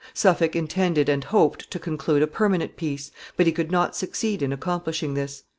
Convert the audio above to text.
Suffolk intended and hoped to conclude a permanent peace, but he could not succeed in accomplishing this.